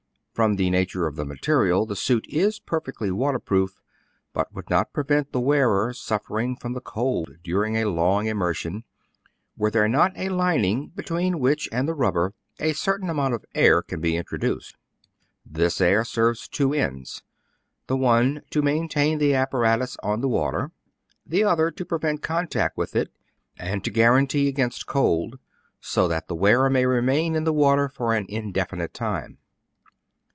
From the nature of the material the suit is perfectly water proof, but would not prevent the wearer suffering from the cold during a long immersion, were there not a lining between which and the rubber a certain amount of air can be introduced. This air serves two ends, — the one, to maintain the apparatus on the water ; the other, to prevent contact with it, and to guarantee against cold : so that the wearer may remain in the water for an indefinite time.